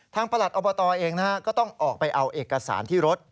ประหลัดอบตเองก็ต้องออกไปเอาเอกสารที่รถ